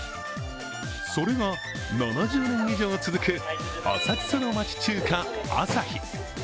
それが７０年以上続く浅草の町中華あさひ。